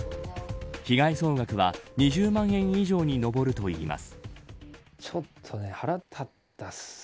被害総額は２０万円以上に上るといいます。